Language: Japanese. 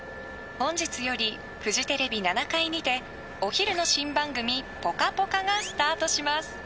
本日よりフジテレビ７階にてお昼の新番組「ぽかぽか」がスタートします。